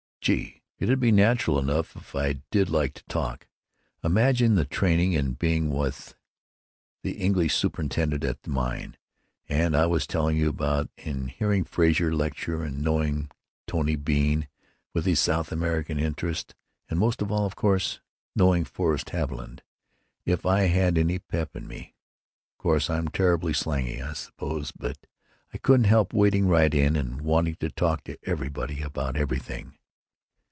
"Gee! it'd be natural enough if I did like to talk. Imagine the training in being with the English superintendent at the mine, that I was telling you about, and hearing Frazer lecture, and knowing Tony Bean with his South American interests, and most of all, of course, knowing Forrest Haviland. If I had any pep in me——Course I'm terribly slangy, I suppose, but I couldn't help wading right in and wanting to talk to everybody about everything."